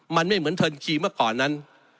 มันไม่เหมือนเทิร์นคีย์เมื่อก่อนนั้น